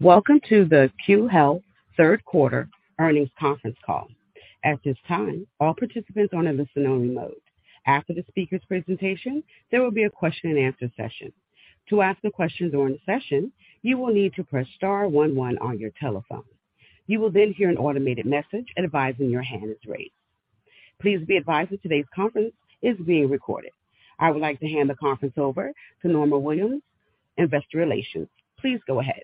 Welcome to the Q Health Third Quarter Earnings Conference Call. At this time, all participants are in a listen only mode. After the speakers' presentation, there will be a question and answer session. You will then hear an automated message advising your hand is raised. Please be advised that today's conference is being recorded. I would like to hand the conference over to Norma Williams, Investor Relations. Please go ahead.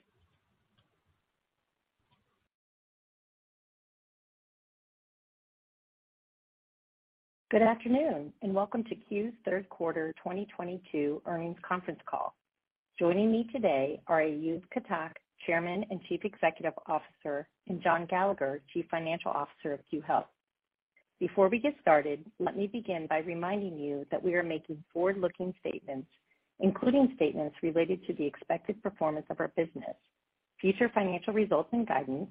Good afternoon, and welcome to Q3's Q3 2022 Earnings Conference Call. Joining me today are Ayush Katak, Chairman and Chief Executive Officer and John Gallagher, Chief Financial Officer of Q Health. Before we get started, let me begin by reminding you that we are making forward looking statements, including statements related to the expected performance of our business, Future financial results and guidance,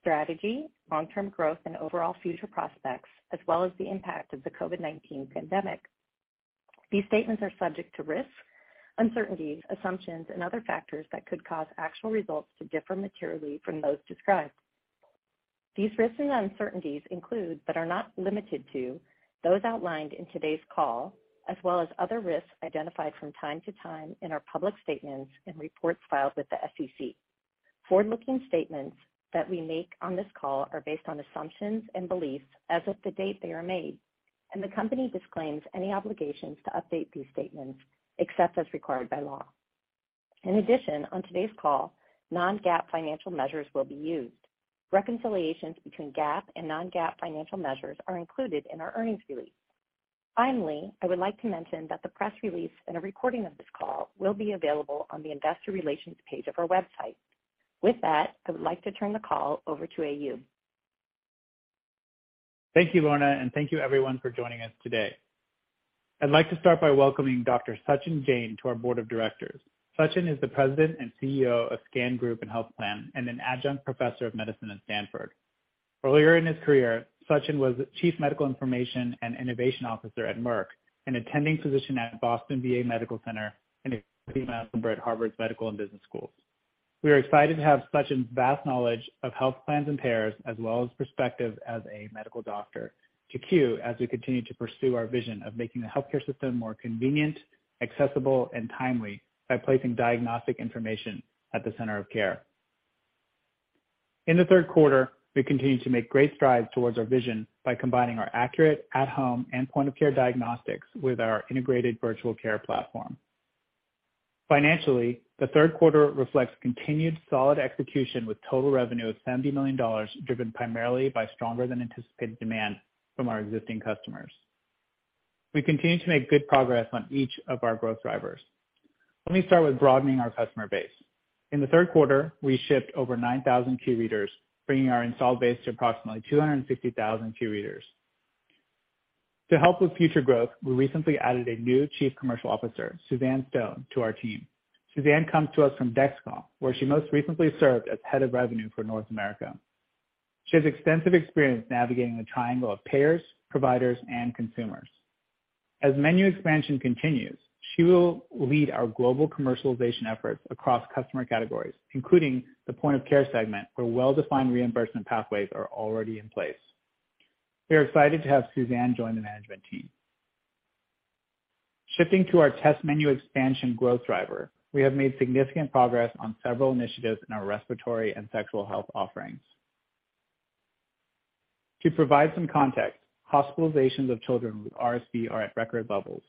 strategy, long term growth and overall future prospects, as well as the impact of the COVID-nineteen pandemic. These statements are subject to risks, uncertainties, assumptions and other factors that could cause actual results to differ materially from those described. These risks and uncertainties include, but are not limited to, those outlined in today's call as well as other risks identified from time to time in our public statements in reports filed with the SEC. Forward looking statements that we make on this call are based on assumptions and beliefs as of the date they are made, and the company disclaims any obligations to update these statements, except as required by law. In addition, on today's call, Non GAAP financial measures will be used. Reconciliations between GAAP and non GAAP financial measures are included in our earnings release. Finally, I would like to mention that the press release and a recording of this call will be available on the Investor Relations page of our website. With that, I would like to turn the call over to A. Yu. Thank you, Lorna, and thank you everyone for joining us today. I'd like to start by welcoming Doctor. Sachin Jain to our Board of Directors. Sachin is the President and CEO of SCAN Group and Health Plan and an adjunct professor of medicine at Stanford. Earlier in his career, Sachin was Chief Medical Information and Innovation Officer at Merck and attending position at Boston VA Medical Center And a great team at Harvard's Medical and Business Schools. We are excited to have such a vast knowledge of health plans and payers as well as perspective as a medical doctor as we continue to pursue our vision of making the healthcare system more convenient, accessible and timely by placing diagnostic information at the center of care. In the Q3, we continued to make great strides towards our vision by combining our accurate at home and point of care diagnostics with our integrated virtual care platform. Financially, the Q3 reflects continued solid execution with Total revenue of $70,000,000 driven primarily by stronger than anticipated demand from our existing customers. We continue to make good progress on each of our growth drivers. Let me start with broadening our customer base. In the Q3, we shipped over 9,000 Q readers, bringing our installed base to approximately 260,000 key readers. To help with future growth, we recently added a new Chief Commercial Officer, Suzanne Stone to our team. Suzanne comes to us from DexCom, where she most recently served as Head of Revenue for North America. She has extensive experience navigating the triangle of payers, Providers and consumers. As menu expansion continues, she will lead our global commercialization efforts across customer categories, including the point of care segment where well defined reimbursement pathways are already in place. We're excited to have Suzanne join the management team. Shifting to our test menu expansion growth driver. We have made significant progress on several initiatives in our respiratory and sexual health offerings. To provide some context, hospitalizations of children with RSV are at record levels.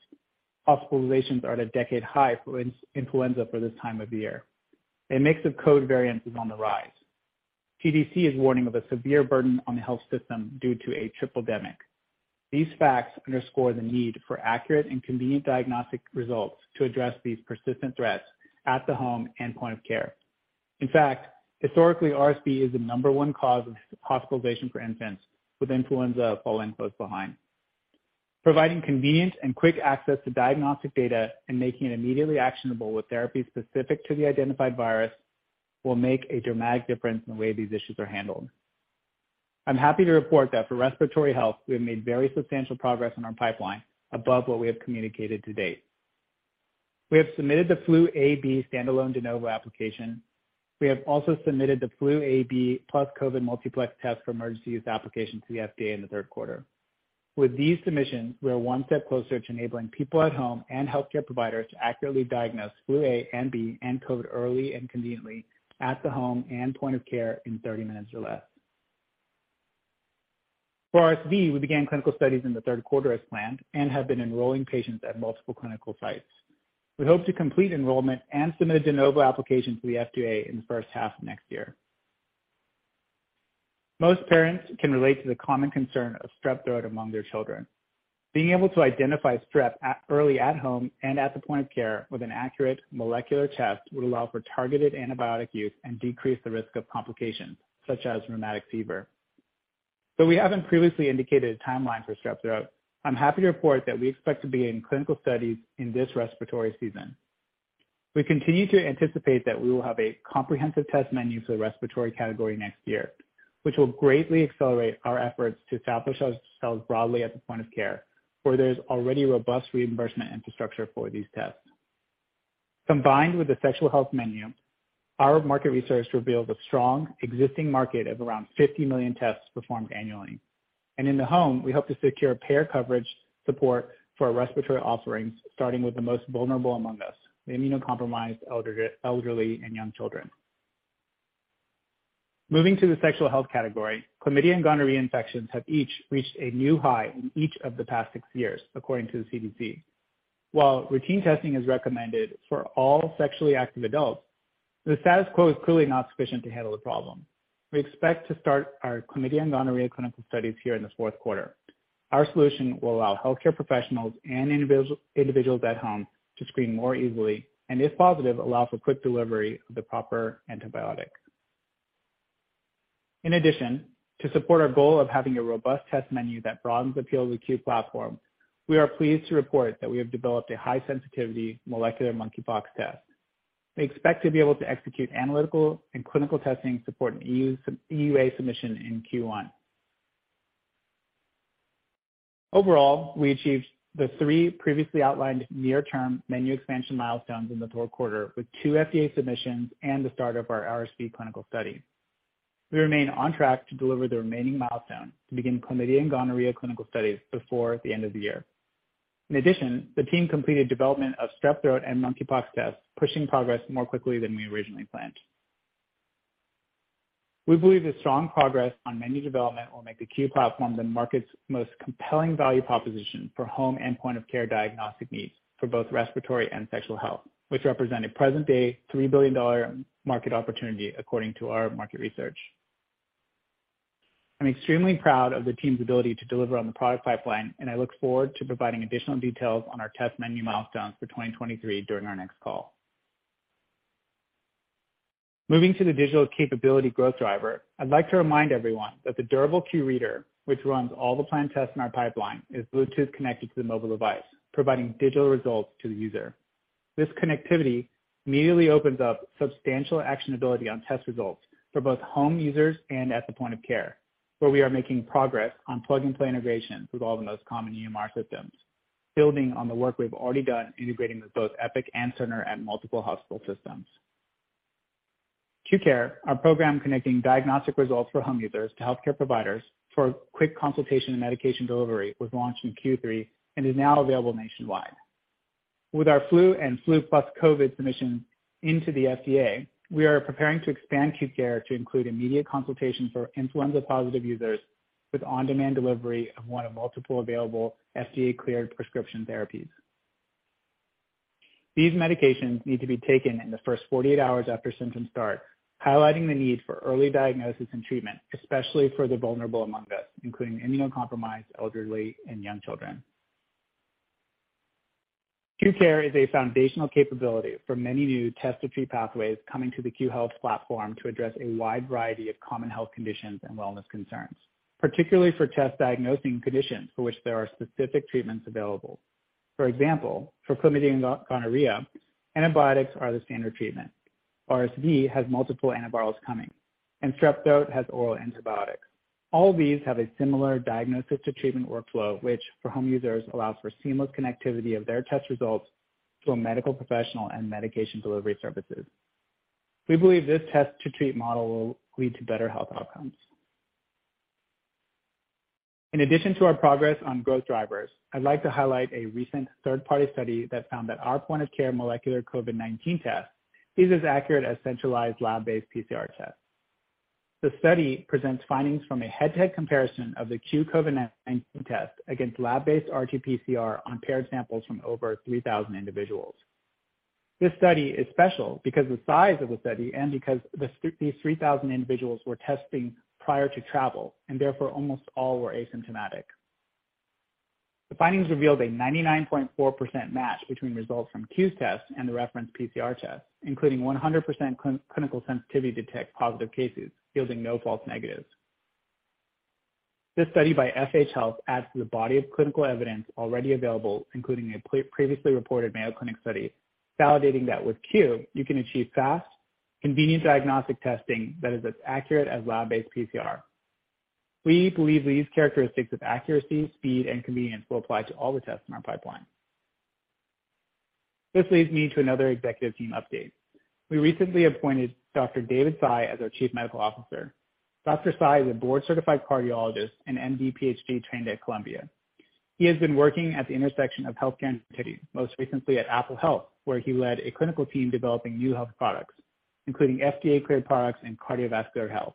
Hospitalizations are at a decade high for influenza for this time of year. A mix of code variance is on the rise. CDC is warning of a severe burden on the health system due to a triplendemic. These facts underscore the need for accurate and convenient diagnostic results to address these persistent threats at the home endpoint of care. In fact, historically, RSV is the number one cause of hospitalization for infants with influenza falling close behind. Providing convenient and quick access to diagnostic data and making it immediately actionable with therapies specific to the identified virus will make a dramatic difference in the way these issues are handled. I'm happy to report that for respiratory health, we have made very substantial progress in our pipeline above what we have communicated to date. We have submitted the Flu AB standalone de novo application. We have also submitted the Flu AB plus With these submissions, we are one step closer to enabling people at home and healthcare provider For RSV, we began clinical studies in the Q3 as planned and have been enrolling patients at multiple clinical sites. We hope to complete enrollment and submit a de novo application to the FDA in Most parents can relate to the common concern of strep throat among their children. Being able to identify strep early at home and at the point of care with an accurate molecular test would allow for targeted antibiotic use and decrease the risk of complications such as rheumatic fever. Though we haven't previously indicated a timeline for strep throat, I'm happy to report that we expect to be in clinical studies in this respiratory season. We continue to anticipate that we will have a comprehensive test menu for the respiratory category next year, which will greatly accelerate our efforts to establish broadly at the point of care where there is already robust reimbursement infrastructure for these tests. Combined with the sexual health menu, Our market research reveals a strong existing market of around 50,000,000 tests performed annually. And in the home, we hope to secure payer coverage Support for respiratory offerings, starting with the most vulnerable among us, the immunocompromised elderly and young children. Moving to the sexual health category, chlamydia and gonorrhea infections have each reached a new high in each of the past 6 years according to the CDC. While routine testing is recommended for all sexually active adults, the status quo is clearly not sufficient to handle the problem. We expect to start our chlamydia and gonorrhea clinical studies here in the Q4. Our solution will allow healthcare professionals and individuals at home to screen more easily and if positive allow for quick delivery of the proper antibiotic. In addition, To support our goal of having a robust test menu that broadens the appeal of the Q platform, we are pleased to report that we have developed a high sensitivity molecular monkeypox test. We expect to be able to execute analytical and clinical testing support in EUA submission in Q1. Overall, we achieved the 3 previously outlined near term menu expansion milestones in the Q4 with 2 FDA submissions and the start of our RSV clinical study. We remain on track to deliver the remaining milestone to begin chlamydia and gonorrhea clinical studies before the end of the year. In addition, the team completed development of strep throat and monkeypox tests, pushing progress more quickly than we originally planned. We believe the strong progress on menu development will make the Q platform the market's most compelling value proposition for home endpoint of care diagnostic needs for both respiratory and sexual health, which represent a present day $3,000,000,000 market opportunity according to our market research. I'm extremely proud of the team's ability to deliver on the product pipeline and I look forward to providing additional details on our test menu milestones for 2023 during our next call. Moving to the digital capability growth driver, I'd like to remind everyone that the DurableQ reader, which runs all the planned tests in our pipeline is Bluetooth connected to the mobile device, providing digital results to the user. This connectivity Immediately opens up substantial actionability on test results for both home users and at the point of care, where we are making progress on plug and play integration with all the Common EMR systems, building on the work we've already done integrating with both Epic and Cerner at multiple hospital systems. Q Care, our program connecting diagnostic results for home users to healthcare providers for quick consultation and medication delivery was launched in Q3 and is now available nationwide. With our flu and flu plus COVID submission into the FDA, we are preparing to expand acute care to include immediate consultation for influenza positive users with on demand delivery of 1 of multiple available FDA cleared prescription therapies. These medications need to be taken in the 1st 48 hours after highlighting the need for early diagnosis and treatment, especially for the vulnerable among us, including immunocompromised, elderly and young children. Q Care is a foundational capability for many new test of free pathways coming to the Q Health platform to address a wide variety of common health conditions and wellness concerns, particularly for test diagnosing conditions for which there are specific treatments available. For example, for chlamydian gonorrhea, Antibiotics are the standard treatment. RSV has multiple antivirals coming and strep throat has oral antibiotics. All these have a similar diagnosis to treatment workflow, which for home users allows for seamless connectivity of their test results to a medical professional and medication delivery services. We believe this test to treat model will lead to better health outcomes. In addition to our progress on growth drivers, I'd like to highlight a recent third party study that found that our point of care molecular COVID-nineteen test is as accurate as centralized lab based PCR test. The study presents findings from a head to head comparison of the Q COVID-nineteen test against lab based RT PCR on paired samples from over 3,000 individuals. This study is special because of the size of the study and because these 3,000 individuals were testing prior to travel and therefore almost all were asymptomatic. The findings revealed a 99.4% match between results from Q's test and the reference PCR test, including 100% clinical sensitivity to detect Positive cases, yielding no false negatives. This study by FH Health adds to the body of clinical evidence already available, including a previously reported Mayo Clinic study, validating that with CUE, you can achieve fast, convenient diagnostic testing that is as accurate as lab based PCR. We believe these characteristics of accuracy, speed and convenience will apply to all the tests in our pipeline. This leads me to another executive team update. We recently appointed Doctor. David Tsai as our Chief Medical Officer. Doctor. Tsai is a Board certified cardiologist An MD PhD trained at Columbia. He has been working at the intersection of healthcare and security, most recently at Apple Health, where he led a clinical team developing new health products, including FDA cleared products and cardiovascular health.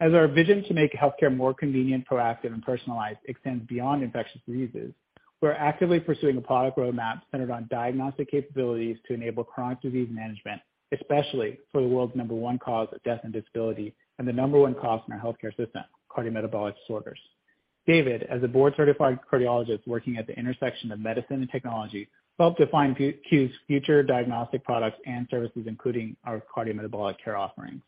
As our vision to make healthcare more convenient, proactive and personalized extends beyond infectious diseases, We're actively pursuing a product road map centered on diagnostic capabilities to enable chronic disease management, especially for the world's number one cause of death and disability David, as a Board certified cardiologist working at the intersection of medicine and technology, Well, to find Q's future diagnostic products and services, including our cardiometabolic care offerings.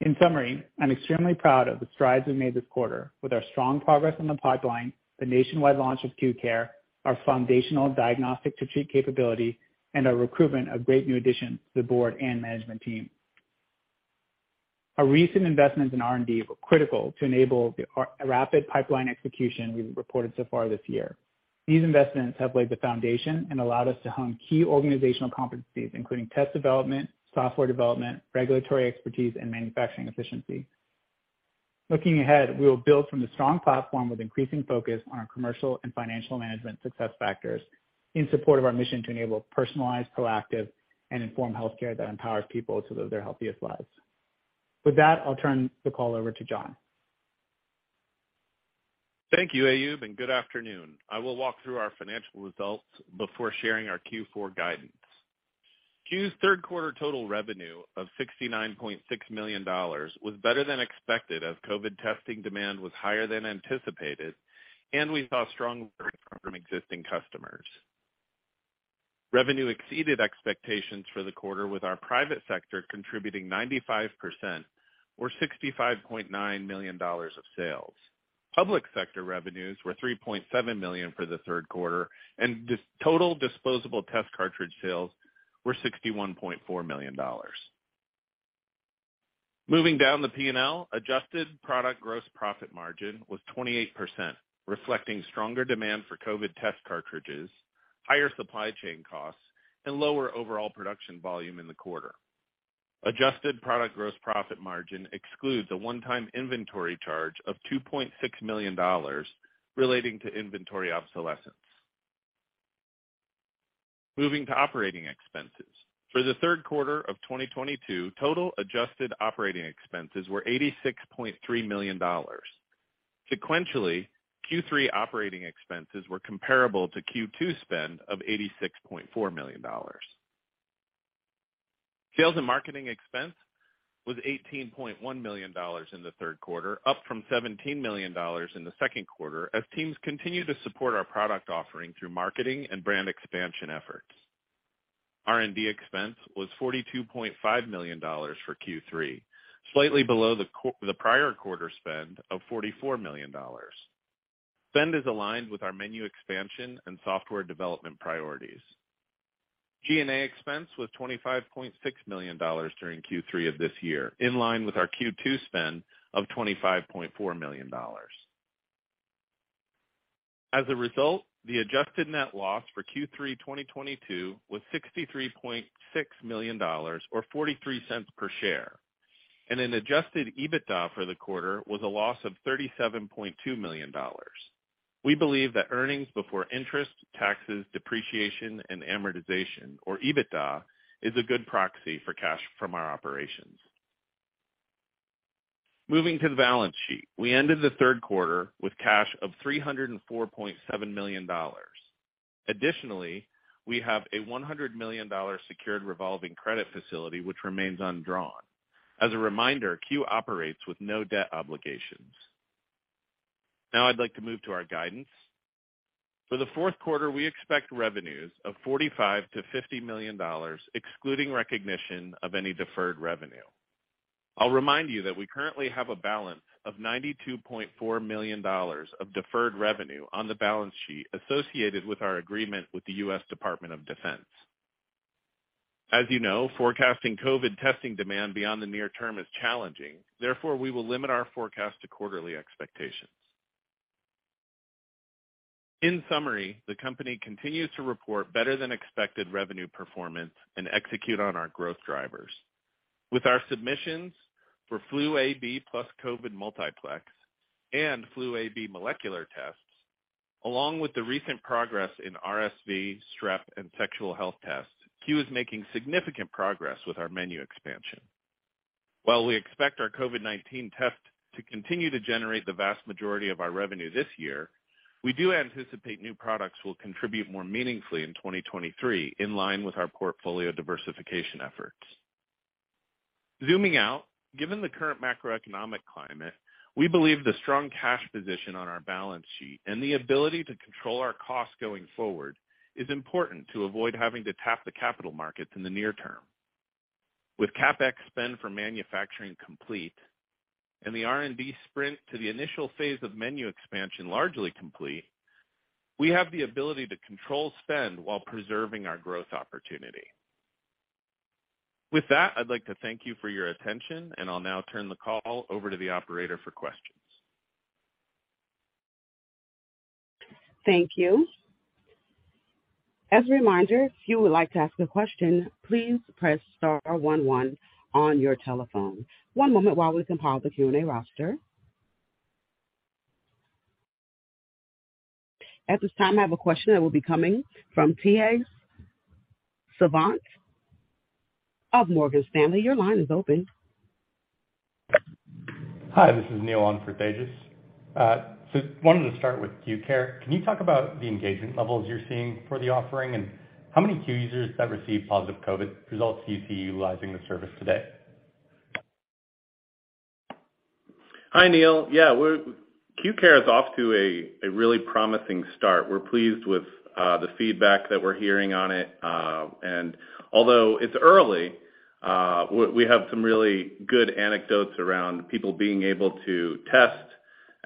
In summary, I'm extremely proud of the strides we've made this quarter with our strong progress in the pipeline, the nationwide launch of Q Care, Our foundational diagnostic to treat capability and our recruitment of great new additions to the Board and management team. Our recent investments in R and D were critical to enable the rapid pipeline execution we've reported so far this year. These investments have laid the foundation and allowed us to hone key organizational competencies, including test development, software development, regulatory expertise and manufacturing efficiency. Looking ahead, we will build from the strong platform with increasing focus on our commercial and financial management success factors in support of our mission to enable personalized, proactive and informed healthcare that empowers people to live their healthiest lives. With that, I'll turn the call over to John. Thank you, Ayub, and good afternoon. I will walk through our financial results before sharing our Q4 guidance. Q3's Q3 total revenue of $69,600,000 was better than expected as COVID testing demand was higher than anticipated And we saw strong work from existing customers. Revenue exceeded expectations for the quarter with our Private sector contributing 95 percent or $65,900,000 of sales. Public Revenues were $3,700,000 for the Q3 and total disposable test cartridge sales were $61,400,000 Moving down the P and L, adjusted product gross profit margin was 28%, reflecting stronger demand for COVID test cartridges, Higher supply chain costs and lower overall production volume in the quarter. Adjusted product gross profit margin Excludes a one time inventory charge of $2,600,000 relating to inventory obsolescence. Moving to operating expenses. For the Q3 of 2022, total adjusted operating expenses were $86,300,000 Sequentially, Q3 operating expenses were comparable to Q2 spend of $86,400,000 Sales and marketing expense was $18,100,000 in the 3rd quarter, up from $17,000,000 in the 2nd quarter as teams continue to support our Product offering through marketing and brand expansion efforts. R and D expense was $42,500,000 for Q3, Slightly below the prior quarter spend of $44,000,000 Spend is aligned with our menu expansion and software development priorities. G and A expense was $25,600,000 during Q3 of this year, in line with our Q2 spend of $25,400,000 As a result, the adjusted net loss for Q3 2022 was $63,600,000 or $0.43 per share And an adjusted EBITDA for the quarter was a loss of $37,200,000 We believe that earnings before interest, Taxes, depreciation and amortization or EBITDA is a good proxy for cash from our operations. Moving to the balance sheet. We ended the Q3 with cash of $304,700,000 Additionally, we have a $100,000,000 secured revolving credit facility, which remains undrawn. As a reminder, Queue operates with no debt obligations. Now I'd like to move to our guidance. For the Q4, we expect revenues of $45,000,000 excluding recognition of any deferred revenue. I'll remind you that we currently have a balance of $92,400,000 of deferred revenue on the balance sheet associated with our agreement with the U. S. Department of Defense. As you know, forecasting COVID testing demand beyond the near Term is challenging. Therefore, we will limit our forecast to quarterly expectations. In summary, the company continues to report better than revenue performance and execute on our growth drivers. With our submissions for flu AB plus COVID multiplex And Flu AB molecular tests, along with the recent progress in RSV, strep and sexual health tests, Q is making significant progress with our menu expansion. While we expect our COVID-nineteen test to continue to generate the vast majority of our revenue this year, We do anticipate new products will contribute more meaningfully in 2023 in line with our portfolio diversification efforts. Zooming out, given the current macroeconomic climate, we believe the strong cash position on our balance sheet and the ability to control our costs going forward It's important to avoid having to tap the capital markets in the near term. With CapEx spend for manufacturing complete And the R and D sprint to the initial phase of menu expansion largely complete, we have the ability to control spend while preserving our growth opportunity. With that, I'd like to thank you for your attention. And I'll now turn the call over to the operator for questions. Thank you. At this time, I have a question that will be coming from T. A. S. Svante of Morgan Stanley. Your line is open. Hi, this is Neil on for Thegis. So I wanted to start with Q Care. Can you talk about the engagement levels you're seeing for the offering? And How many Q users have received positive COVID results do you see utilizing the service today? Hi, Neil. Yes, we're QCARE is off to a really promising start. We're pleased with the feedback that we're hearing on it. And Although it's early, we have some really good anecdotes around people being able to test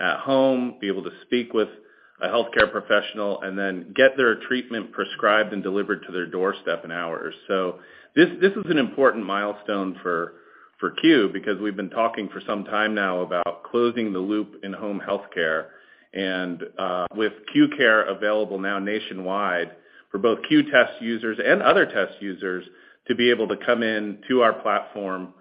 At home, be able to speak with a healthcare professional and then get their treatment prescribed and delivered to their doorstep in hours. So This is an important milestone for CU because we've been talking for some time now about closing the loop in home healthcare. And with Q Care available now nationwide for both Q Test users and other test users to be able to come in to our platform,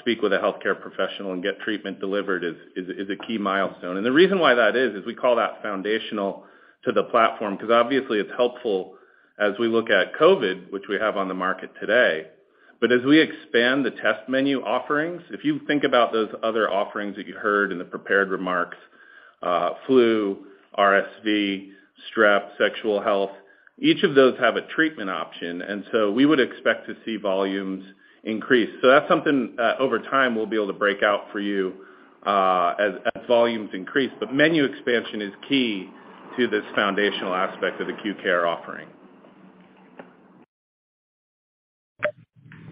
Speak with a healthcare professional and get treatment delivered is a key milestone. And the reason why that is, is we call that foundational to the platform because obviously it's helpful As we look at COVID, which we have on the market today, but as we expand the test menu offerings, if you think about those other offerings that you heard in the prepared remarks, Flu, RSV, strep, sexual health, each of those have a treatment option. And so we would expect to see volumes Increase. So that's something, over time we'll be able to break out for you, as volumes increase. But menu expansion is key To this foundational aspect of the acute care offering.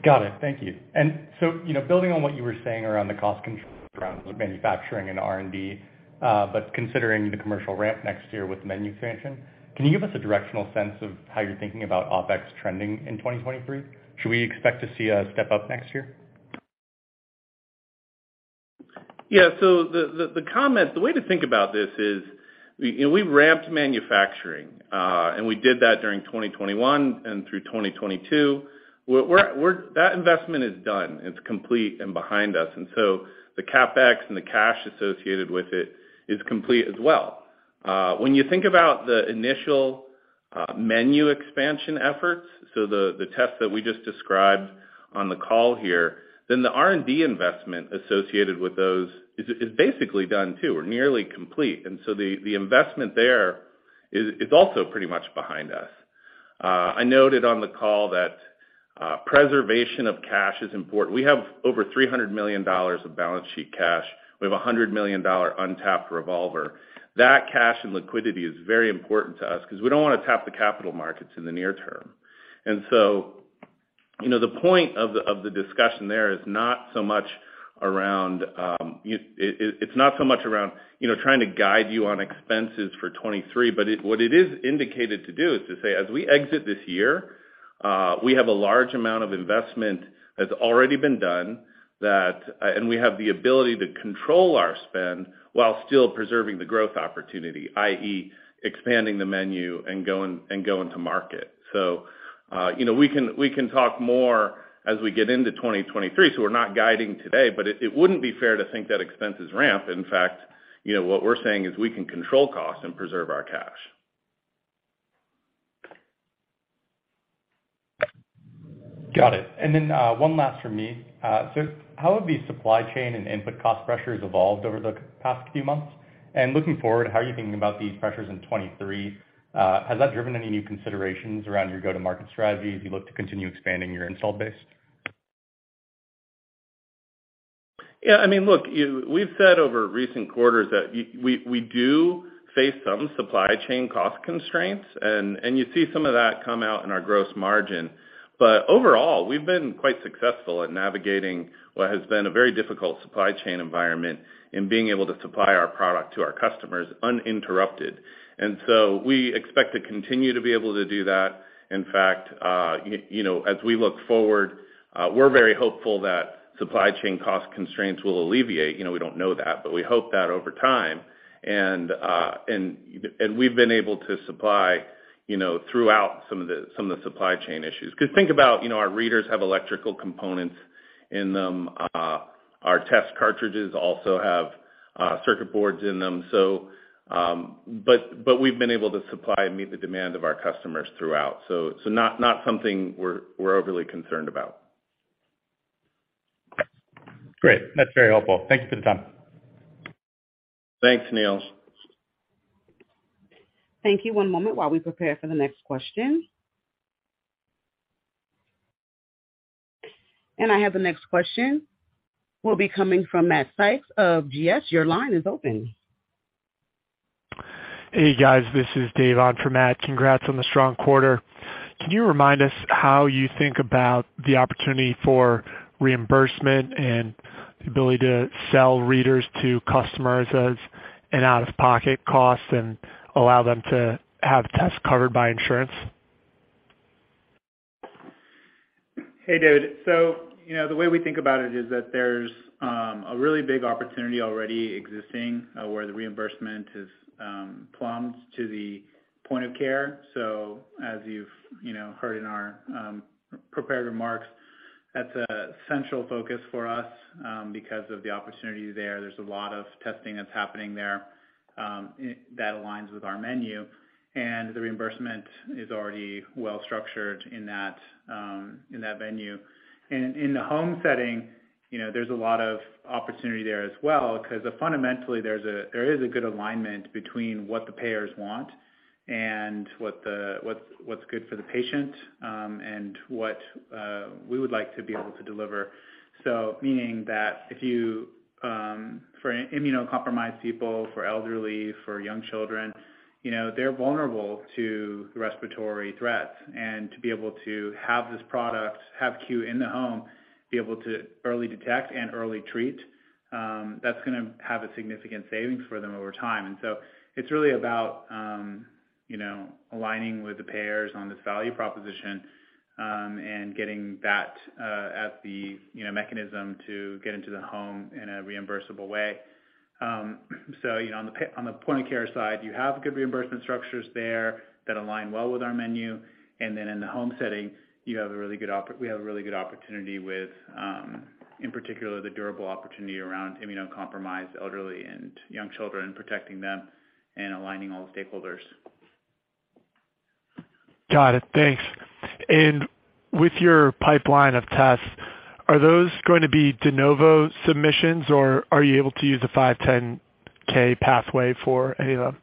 Got it. Thank you. And so building on what you were saying around Cost control around the manufacturing and R and D, but considering the commercial ramp next year with menu expansion, can you give us a directional sense of How you're thinking about OpEx trending in 2023? Should we expect to see a step up next year? Yes. So the comment the way to think about this is, we've ramped manufacturing and we did that during 2021 and through 2022, we're that investment is done. It's complete and behind us. And so the CapEx and the cash associated with it It's complete as well. When you think about the initial menu expansion efforts, so the test that we just described On the call here, then the R and D investment associated with those is basically done too. We're nearly complete. And so the investment there It's also pretty much behind us. I noted on the call that preservation of cash is important. We have over $300,000,000 of balance Cheap cash, we have $100,000,000 untapped revolver. That cash and liquidity is very important to us because we don't want to tap the capital markets in the near term. And so the point of the discussion there is not so much around it's not so much around Trying to guide you on expenses for 2023, but what it is indicated to do is to say as we exit this year, we have a large amount of investment It's already been done that and we have the ability to control our spend while still preserving the growth opportunity, I. E, Expanding the menu and going to market. So we can talk more as we get into 2023. So we're not guiding But it wouldn't be fair to think that expenses ramp. In fact, what we're saying is we can control costs and preserve our cash. Got it. And then one last for me. So How have the supply chain and input cost pressures evolved over the past few months? And looking forward, how are you thinking about these pressures in 2023? Has that driven any new considerations around your go to market strategy as you look to continue expanding your installed base? Yes. I mean, look, we've said over recent quarters that we do face some supply chain cost Constraints and you see some of that come out in our gross margin. But overall, we've been quite successful at navigating Well, it has been a very difficult supply chain environment and being able to supply our product to our customers uninterrupted. And so we expect to continue to be able to do that. In fact, as we look forward, we're very hopeful that supply chain cost constraints will alleviate. We don't know that, but we hope that over time. And we've been able to supply throughout some of the supply chain issues. Because think about our readers have electrical components And our test cartridges also have circuit boards in them. So but we've been able to Meet the demand of our customers throughout. So not something we're overly concerned about. Great. That's very helpful. Thanks for the time. Thanks, Neils. Thank you. One moment while we prepare for the next question. And I have the next question will be coming from Matt Sykes of GS. Your line is open. Hey, guys. This is Dave on for Matt. Congrats on the strong quarter. Can you remind us how you think about the opportunity for Reimbursement and the ability to sell readers to customers as an out of pocket cost and Allow them to have tests covered by insurance. Hey, David. The way we think about it is that there's a really big opportunity already existing where the reimbursement is plums to the Point of care, so as you've heard in our prepared remarks, that's a central focus for us Because of the opportunity there, there's a lot of testing that's happening there that aligns with our menu And the reimbursement is already well structured in that venue. And in the home setting, There's a lot of opportunity there as well because fundamentally there is a good alignment between what the payers want And what's good for the patient, and what we would like to be able to deliver. So meaning that if you For immunocompromised people, for elderly, for young children, they're vulnerable to respiratory threats. And to be able to have this product, have Q in the home, be able to early detect and early treat, that's going to Have a significant savings for them over time. And so it's really about aligning with the payers on this value proposition And getting that at the mechanism to get into the home in a reimbursable way. So on the point of care side, you have good reimbursement structures there that align well with our menu. And then in the home setting, We have a really good opportunity with, in particular, the durable opportunity around immunocompromised elderly and young children and protecting them And aligning all stakeholders. Got it. Thanks. And with your pipeline of tests, Are those going to be de novo submissions? Or are you able to use the 510 pathway for any of them?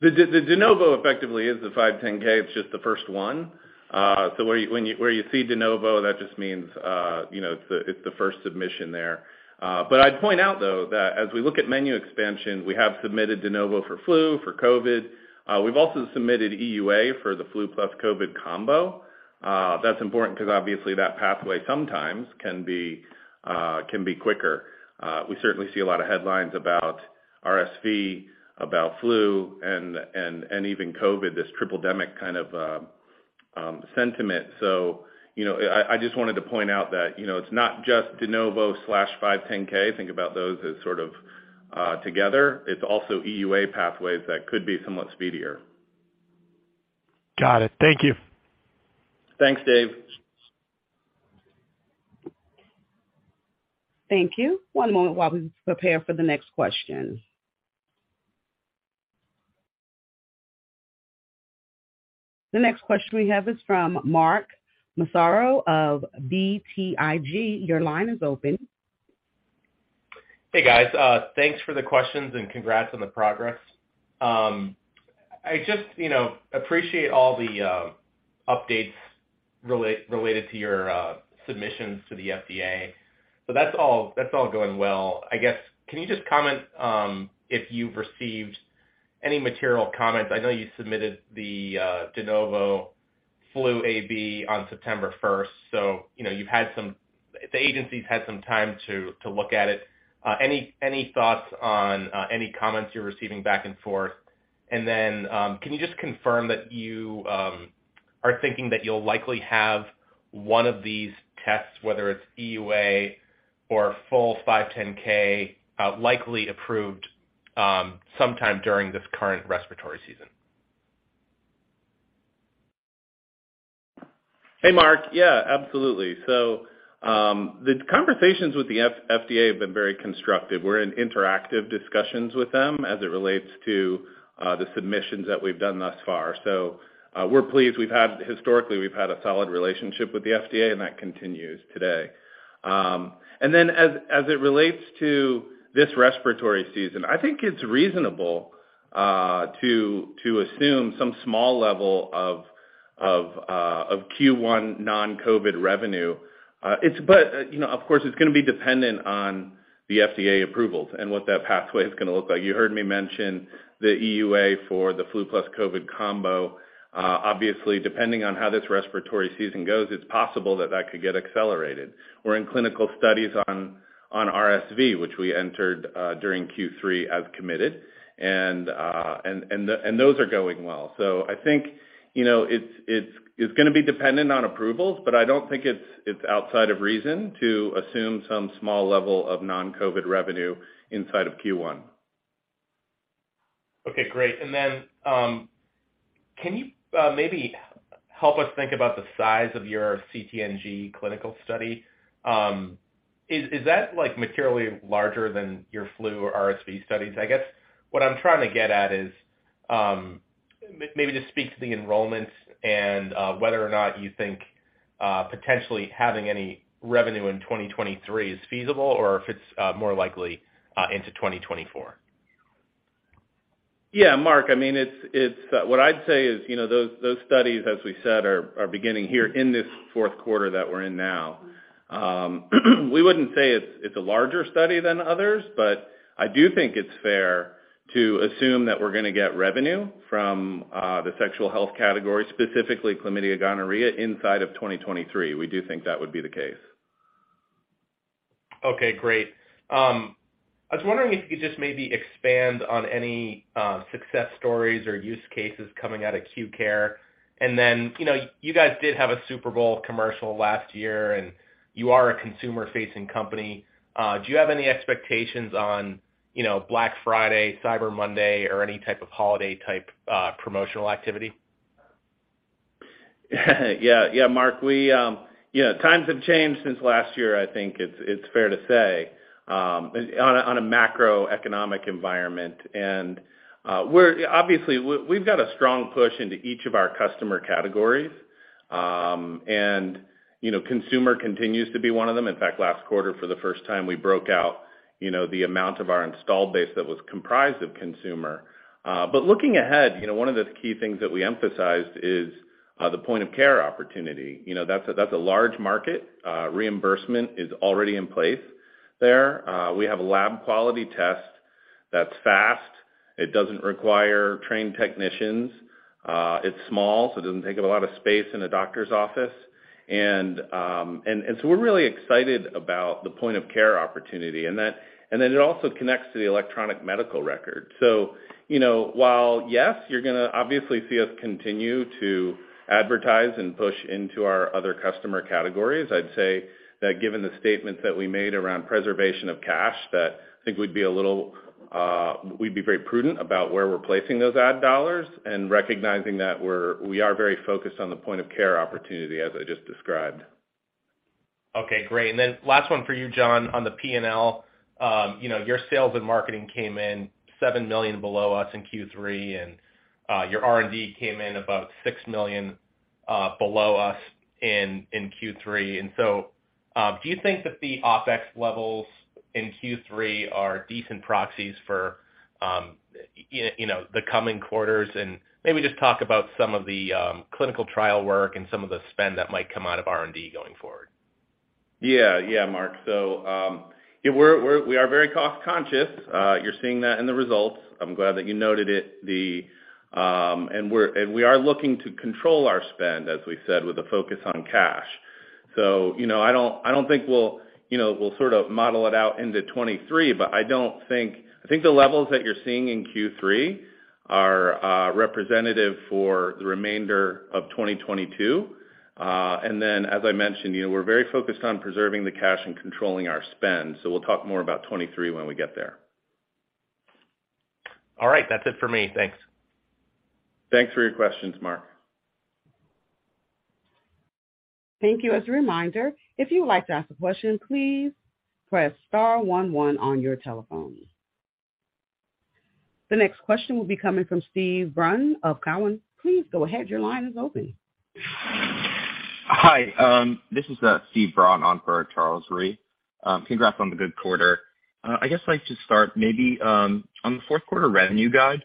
The de novo effectively is the 510, it's just the first one. So where you see de novo, that just means it's the first submission there. But I'd point out though that as we look at menu expansion, we have submitted de novo for flu, for COVID. We've also submitted EUA for the flu plus COVID combo. That's important because obviously that pathway sometimes can be quicker. We certainly see a lot of headlines about RSV about flu and even COVID this triplendemic kind of sentiment. I just wanted to point out that it's not just de novo510 ks, think about those as sort of together. It's also EUA pathways that could be somewhat Speed here. Got it. Thank you. Thanks, Dave. Thank you. One moment while we prepare for the next question. The next question we have is from Mark Massaro of BTIG. Your line is open. Hey, guys. Thanks for the questions and congrats on the progress. I just appreciate all the Updates related to your submissions to the FDA. So that's all going well. I guess, Can you just comment, if you've received any material comments? I know you submitted the de novo Flu AB on September 1, so you've had some the agencies had some time to look at it. Any thoughts on any comments you're receiving back and forth? And then, can you just confirm that you Are thinking that you'll likely have one of these tests, whether it's EUA or full 510 likely approved Sometime during this current respiratory season. Hey, Mark. Yes, absolutely. So, the conversations with the FDA have been very constructive. We're in interactive discussions with them as it relates to The submissions that we've done thus far. So we're pleased. We've had historically, we've had a solid relationship with the FDA and that continues today. And then as it relates to this respiratory season, I think it's reasonable to assume some small level Of Q1 non COVID revenue, it's but of course, it's going to be dependent on The FDA approvals and what that pathway is going to look like. You heard me mention the EUA for the flu plus COVID combo. Obviously, depending on how this respiratory season goes, it's possible that that could get accelerated. We're in clinical studies On RSV, which we entered during Q3 as committed and those are going well. So I think It's going to be dependent on approvals, but I don't think it's outside of reason to assume some small level of non COVID revenue Inside of Q1. Okay, great. And then, can you maybe Help us think about the size of your CTNG clinical study. Is that like materially larger than your flu or RSV studies? I guess What I'm trying to get at is, maybe to speak to the enrollments and whether or not you think Potentially having any revenue in 2023 is feasible or if it's more likely into 2024? Yes, Mark. I mean, it's what I'd say is, those studies, as we said, are beginning here in this Q4 that we're in now. We wouldn't say it's a larger study than others, but I do think it's fair to assume that we're going to get revenue From the sexual health category, specifically chlamydia, gonorrhea inside of 2023, we do think that would be the case. Okay, great. I was wondering if you could just maybe expand on any success stories or use cases coming out of Q Care. And then you guys did have a Super Bowl commercial last year and you are a consumer facing company. Do you have any expectations Black Friday, Cyber Monday or any type of holiday type promotional activity? Yes. Yes, Mark. We Yes. Times have changed since last year, I think it's fair to say, on a macroeconomic environment. And We're obviously, we've got a strong push into each of our customer categories. And consumer continues to be one of them. In fact, Quarter for the first time, we broke out the amount of our installed base that was comprised of consumer. But looking ahead, one of the key things that we emphasized is The point of care opportunity, that's a large market. Reimbursement is already in place there. We have a lab quality test That's fast. It doesn't require trained technicians. It's small, so it doesn't take up a lot of space in a doctor's office. And so we're really excited about the point of care opportunity and that and then it also connects to the electronic medical record. While, yes, you're going to obviously see us continue to advertise and push into our other customer categories. I'd say Given the statements that we made around preservation of cash that I think we'd be a little we'd be very prudent about where we're placing those ad dollars And recognizing that we're we are very focused on the point of care opportunity as I just described. Okay, great. And then last one for you John on the P and L. Your sales and marketing came in $7,000,000 below us in Q3 and your R and D came in about $6,000,000 below us And in Q3, and so do you think that the OpEx levels in Q3 are decent proxies for The coming quarters and maybe just talk about some of the clinical trial work and some of the spend that might come out of R and D going forward? Yes, yes, Mark. So, yes, we are very cost conscious. You're seeing that in the results. I'm glad that you noted it. And we are looking to control our spend as we said with a focus on cash. So I don't think We'll sort of model it out into 2023, but I don't think I think the levels that you're seeing in Q3 are Representative for the remainder of 2022. And then as I mentioned, we're very focused on preserving the cash and controlling our So we'll talk more about 23 when we get there. All right. That's it for me. Thanks. Thanks for your questions, Mark. Thank you. The next question will be coming from Steve Braun of Cowen. Please go ahead. Your line is open. Hi. This is Steve Braun on for Charles Rhyee. Congrats on the good quarter. I guess I'd like to start maybe on the 4th quarter revenue guide,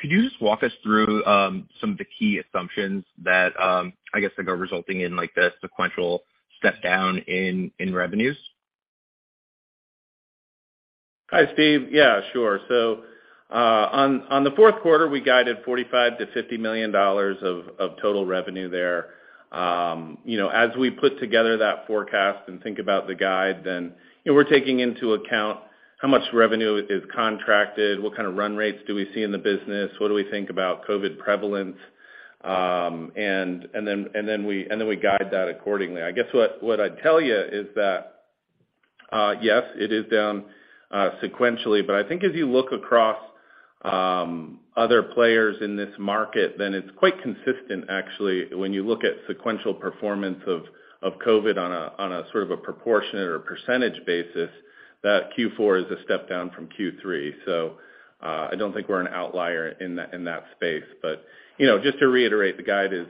Could you just walk us through some of the key assumptions that, I guess that are resulting in like the sequential step down in revenues? Hi, Steve. Yes, sure. So on the Q4, we guided $45,000,000 to $50,000,000 Of total revenue there, as we put together that forecast and think about the guide then we're taking into account How much revenue is contracted? What kind of run rates do we see in the business? What do we think about COVID prevalence? And then we guide that Accordingly. I guess what I'd tell you is that, yes, it is down sequentially. But I think as you look across Other players in this market, then it's quite consistent actually when you look at sequential performance Of COVID on a sort of a proportionate or percentage basis that Q4 is a step down from Q3. So I don't think we're an outlier in that space. But just to reiterate, the guide is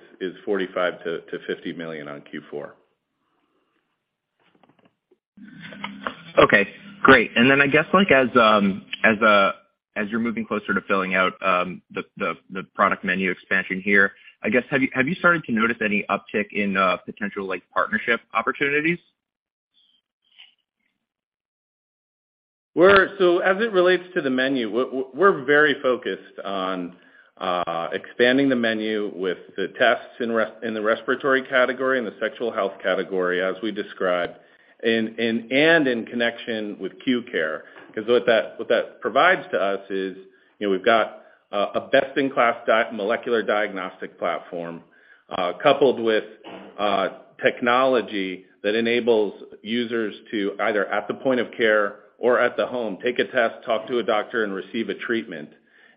$45,000,000 to $50,000,000 on Q4. Okay, great. And then I guess like as you're moving closer to filling out The product menu expansion here, I guess, have you started to notice any uptick in potential like partnership opportunities? We're so as it relates to the menu, we're very focused on expanding the menu with the tests In the respiratory category, in the sexual health category, as we described, and in connection with Q Care, Because what that provides to us is, we've got a best in class molecular diagnostic platform Coupled with technology that enables users to either at the point of care or at the home take a test, talk to a doctor and receive Treatment.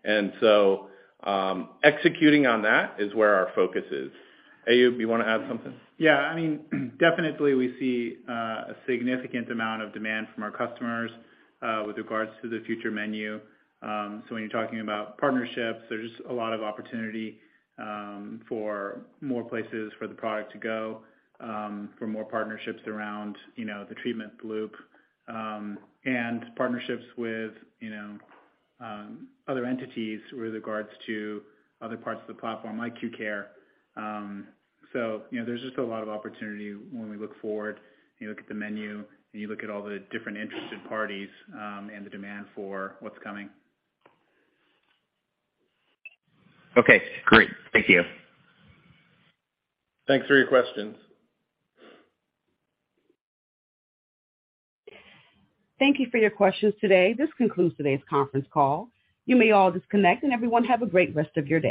And so executing on that is where our focus is. Ayub, you want to add something? Yes. I mean, definitely we see a Significant amount of demand from our customers with regards to the future menu. So when you're talking about partnerships, there's just a lot of opportunity For more places for the product to go, for more partnerships around the treatment loop And partnerships with other entities with regards to other parts of the platform like Q Care. So there's just a lot of opportunity when we look forward. You look at the menu and you look at all the different interested parties and the demand for what's coming. Okay, great. Thank you. Thanks for your questions. Thank you for your questions today. This concludes today's conference call. You may all disconnect and everyone have a great rest of your